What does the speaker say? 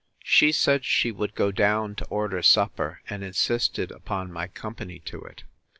She said she would go down to order supper; and insisted upon my company to it.